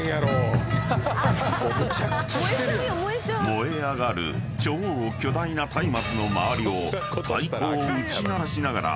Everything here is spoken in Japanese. ［燃え上がる超巨大な松明の周りを太鼓を打ち鳴らしながら］